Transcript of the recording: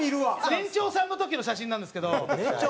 年長さんの時の写真なんですけど。